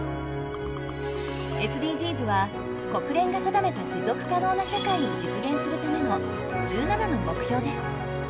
ＳＤＧｓは国連が定めた持続可能な社会を実現するための１７の目標です。